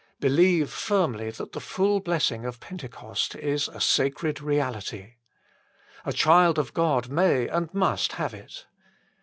Believe firmly that the full blessing of Pentecost is a sacred reality. A child of God may and must have it.